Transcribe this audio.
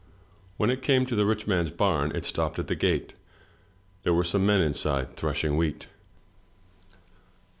When it came to the rich man's bam, it stopped at the gate. There were some men inside, threshing wheat.